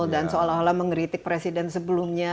dan seolah olah mengeritik presiden sebelumnya